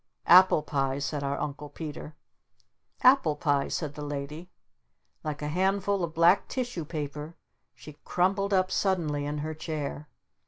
"Apple pies," said our Uncle Peter. "Apple pies," said the Lady. Like a handful of black tissue paper she crumpled up suddenly in her chair.